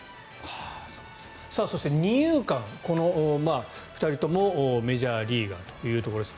そして、二遊間２人ともメジャーリーガーというところです。